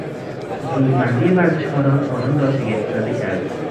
زورمندی ورزشکاران آنان را شگفت زده کرد.